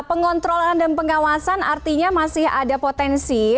pengontrolan dan pengawasan artinya masih ada potensi